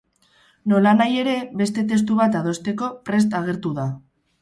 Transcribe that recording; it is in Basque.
Nolanahi ere, beste testu bat adosteko prest agertu da.